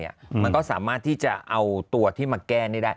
มันก็สามารถที่จะเอาตัวที่มาแก้นี่ได้